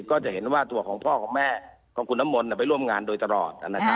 ก็เห็นว่าตัวของข้าพ่อแม่กับของคุณน้ำมนไปร่วมงานโดยตลอด